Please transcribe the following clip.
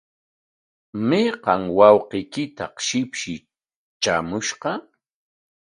¿Mayqa wawqiykitaq shipshi traamushqa?